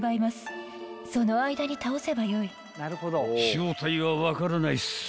［正体は分からないっす］